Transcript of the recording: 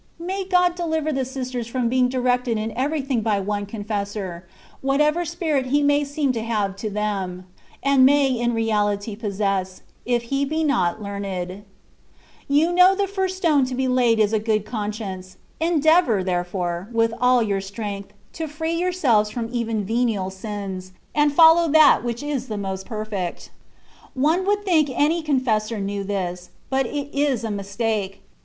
May God deliver the sisters from being directed in everything by one confessor, whatever spirit he may seem to them to have* (and may in reality possess), if he be not learned. You know the first stone to be laid is a good conscience; endeavour, therefore, with all your strength, to free yourselves from even venial sins, * "Por eBjMrita que quo leg parezca tenga," &c. 26 THE WAY OF PEBPECTION. and follow that which is the most perfect. One would think any confessor knew this ; but it is a mistake.